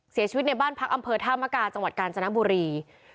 เสียชีวิตในบ้านพักอำเภอธามกาจังหวัดกาญจนบุรี